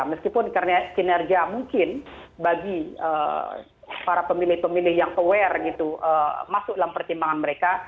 meskipun karena kinerja mungkin bagi para pemilih pemilih yang aware masuk dalam pertimbangan mereka